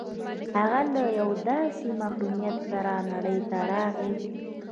هغه له يوه داسې محروميت سره نړۍ ته راغی.